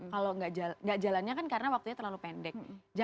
kalau nggak jalannya kan karena waktunya terlalu pendek